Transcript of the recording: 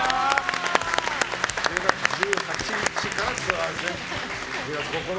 １０月１８日からツアーですね。